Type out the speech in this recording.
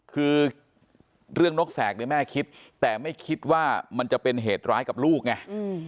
คือเรื่องนกแสกเนี่ยแม่คิดแต่ไม่คิดว่ามันจะเป็นเหตุร้ายกับลูกไง